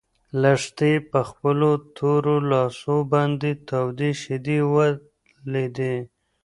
لښتې په خپلو تورو لاسو باندې تودې شيدې ولیدې.